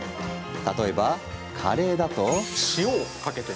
例えば、カレーだと。